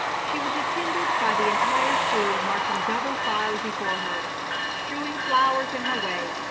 She was attended by the entire school marching double file before her, strewing flowers in her way.